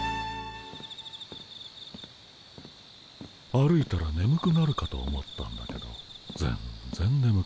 歩いたらねむくなるかと思ったんだけど全然ねむくならない。